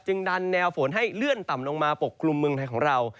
ดันแนวฝนให้เลื่อนต่ำลงมาปกคลุมเมืองไทยของเรา